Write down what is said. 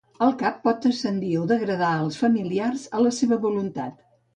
El cap pot ascendir o degradar als familiars a la seva voluntat.